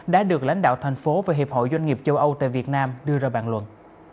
đã được lãnh đạo thành phố và hiệp hội doanh nghiệp châu âu tại việt nam đưa ra bàn luận